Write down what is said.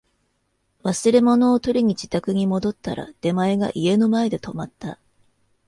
忘れ物を取りに自宅に戻ったら、出前が家の前で止まった